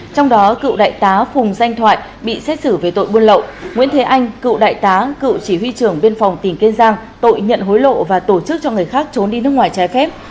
trong đó cựu đại tá phùng danh thoại bị xét xử về tội buôn lậu nguyễn thế anh cựu đại tá cựu chỉ huy trưởng biên phòng tỉnh kiên giang tội nhận hối lộ và tổ chức cho người khác trốn đi nước ngoài trái phép